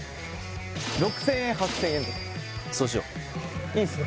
６０００円８０００円とかそうしよういいんすね？